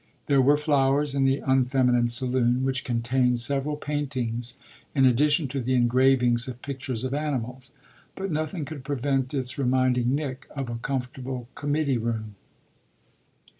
There were flowers in the unfeminine saloon, which contained several paintings in addition to the engravings of pictures of animals; but nothing could prevent its reminding Nick of a comfortable committee room.